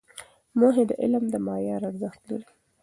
موخې د علم د معیار ارزښت لري.